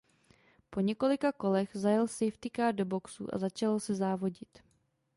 Po několika kolech zajel Safety Car do boxů a začalo se závodit.